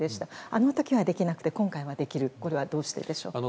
あの時はできて今回はできるこれはどうしてでしょうか。